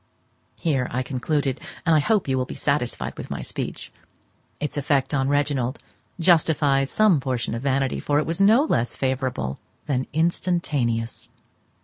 Here I concluded, and I hope you will be satisfied with my speech. Its effect on Reginald justifies some portion of vanity, for it was no less favourable than instantaneous.